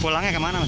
pulangnya kemana mas